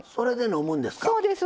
そうです